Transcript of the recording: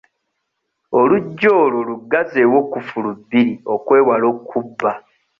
Oluggi olwo luggazzewo kkufulu bbiri okwewala okkubba.